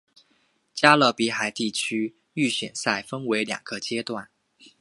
加勒比海地区预选赛共分两阶段。